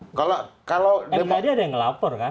mkd ada yang lapor kan